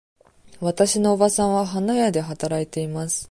わたしのおばさんは花屋で働いています。